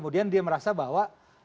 dia merasa bahwa